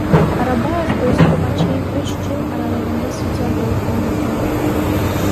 Арабаев өзү буга чейин үч жыл аралыгында судья болуп эмгектенген.